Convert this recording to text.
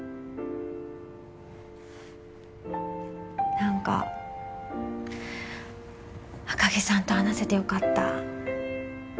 何か赤城さんと話せてよかった